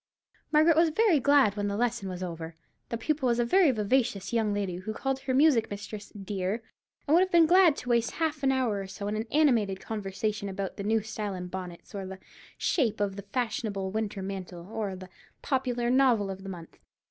Margaret was very glad when the lesson was over. The pupil was a very vivacious young lady, who called her music mistress "dear," and would have been glad to waste half an hour or so in an animated conversation about the last new style in bonnets, or the shape of the fashionable winter mantle, or the popular novel of the month.